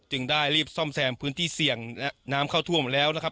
ได้รีบซ่อมแซมพื้นที่เสี่ยงและน้ำเข้าท่วมแล้วนะครับ